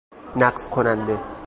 نقض کننده